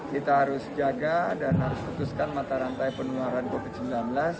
kita harus jaga dan harus putuskan mata rantai penularan covid sembilan belas